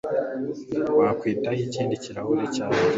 Wakwitaho ikindi kirahure cya byeri?